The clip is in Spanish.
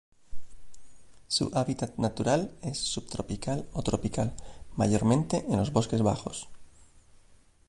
Su hábitat natural es subtropical o tropical, mayormente en los bosques bajos.